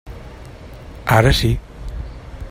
Ara sí.